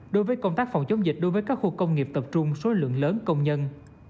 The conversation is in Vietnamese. đối với công tác phòng chống dịch đối với các khu công nghiệp tập trung số lượng lớn công nhân